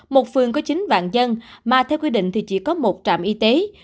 một phường có chín vạn dân mà theo quy định thì chỉ có một trạm y tế